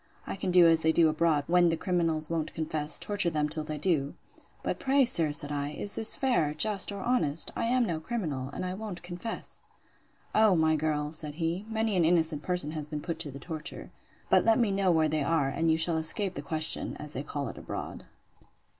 I can do as they do abroad, when the criminals won't confess; torture them till they do.—But pray, sir, said I, is this fair, just, or honest? I am no criminal; and I won't confess. O, my girl! said he, many an innocent person has been put to the torture. But let me know where they are, and you shall escape the question, as they call it abroad.